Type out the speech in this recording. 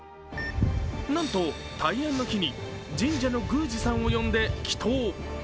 なんと、大安の日に神社の宮司さんを呼んで祈とう。